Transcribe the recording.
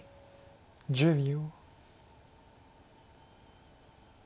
１０秒。